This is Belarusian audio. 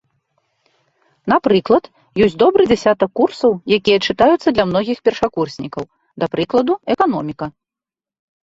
Напрыклад, ёсць добры дзясятак курсаў, якія чытаюцца для многіх першакурснікаў, да прыкладу, эканоміка.